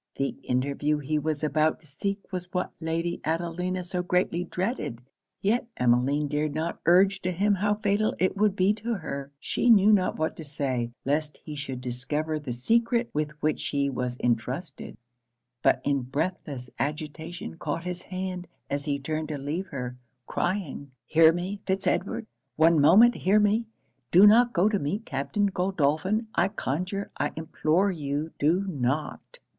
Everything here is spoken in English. The interview he was about to seek was what Lady Adelina so greatly dreaded. Yet Emmeline dared not urge to him how fatal it would be to her; she knew not what to say, least he should discover the secret with which she was entrusted; but in breathless agitation caught his hand as he turned to leave her, crying 'Hear me, Fitz Edward! One moment hear me! Do not go to meet Captain Godolphin. I conjure, I implore you do not!'